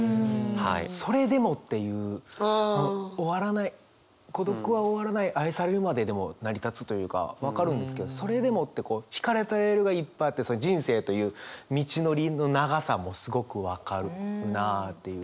「それでも」っていう終わらない「孤独は終わらない愛されるまで」でも成り立つというか分かるんですけど「それでも」ってこう引かれたレールがいっぱいあって人生という道のりの長さもすごく分かるなっていう。